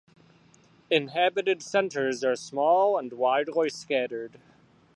Inhabited centers are small and widely scattered.